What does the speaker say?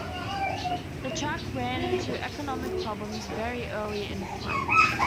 The track ran into economic problems very early in its life.